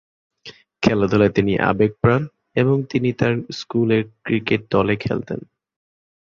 খেলাধুলায় তিনি আবেগ প্রাণ এবং তিনি তার স্কুল এর ক্রিকেট দলে খেলতেন।